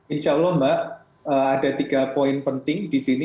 insya allah mbak ada tiga poin penting di sini